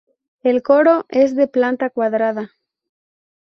El coro es de planta cuadrada.